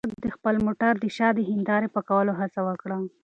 خیر محمد د خپل موټر د شا د هیندارې د پاکولو هڅه وکړه.